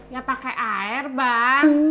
ya pake air bang